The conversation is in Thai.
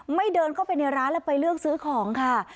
เดินเข้าไปในร้านแล้วไปเลือกซื้อของค่ะ